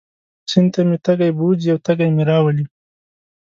سیند ته مې تږی بوځي او تږی مې راولي.